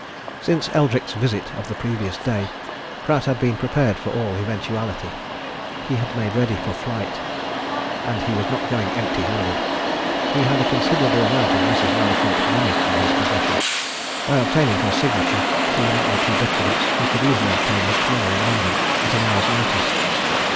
Since Eldrick's visit of the previous day, Pratt had been prepared for all eventuality. He had made ready for flight. And he was not going empty handed. He had a considerable amount of Mrs. Mallathorpe's money in his possession; by obtaining her signature to one or two documents he could easily obtain much more in London, at an hour's notice.